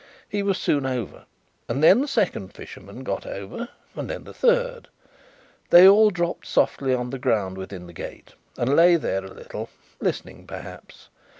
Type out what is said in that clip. He was soon over, and then the second fisherman got over, and then the third. They all dropped softly on the ground within the gate, and lay there a little listening perhaps.